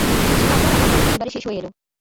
সে কারবার আমার ভাগ্যে এইবারে শেষ হয়ে এল।